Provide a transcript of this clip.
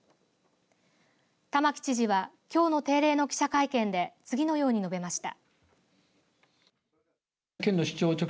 玉城知事はきょうの定例の記者会見で次のように述べました。